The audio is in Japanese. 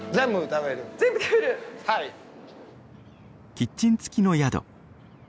キッチンつきの宿。